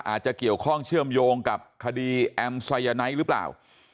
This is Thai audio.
อาจจะเกี่ยวข้องเชื่อมโยงกับคดีแอมไซยาไนท์หรือเปล่า